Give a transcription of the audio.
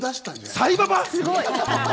サイババ？